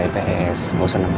boleh ga ya